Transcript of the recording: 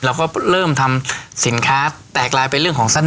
เราก็เริ่มทำสินค้าแตกลายไปเรื่องของสั้น